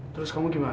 terus kamu gimana